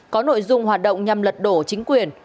có nội dung hoạt động nhằm lật đổ chính quyền